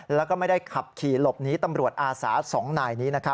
แล้วก็ไม่ได้ขับขี่หลบหนีตำรวจอาสา๒นายนี้